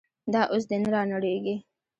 دا اوس دې نه رانړېږي.